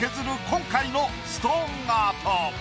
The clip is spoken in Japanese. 今回のストーンアート。